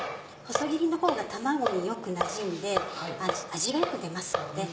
細切りのほうが卵によくなじんで味がよく出ますので。